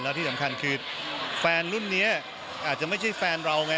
แล้วที่สำคัญคือแฟนรุ่นนี้อาจจะไม่ใช่แฟนเราไง